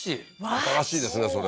新しいですねそれ